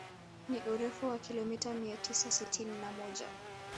Ni urefu wa kilomita mia tisa sitini na moja